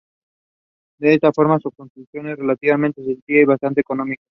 De esta forma, su construcción es relativamente sencilla y bastante económica.